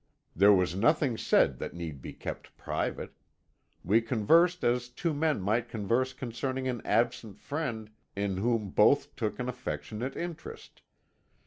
There was nothing said that need be kept private. We conversed as two men might converse concerning an absent friend in whom both took an affectionate interest.